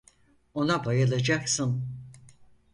Ona bayılacaksın.